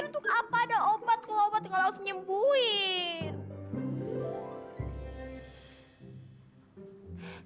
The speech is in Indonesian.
untuk apa ada obat kalau obatnya gak harus nyembuhin